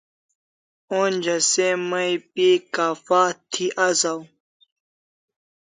Onja se mai pi kapha thi asaw